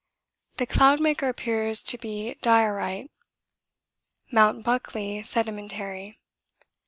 The Cloudmaker appears to be diorite; Mt. Buckley sedimentary.